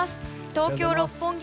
東京・六本木